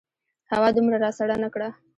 هوا دومره راسړه نه کړه.